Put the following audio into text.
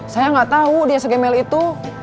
saya nggak tahu dia segemel itu